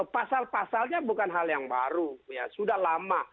pasal pasalnya bukan hal yang baru sudah lama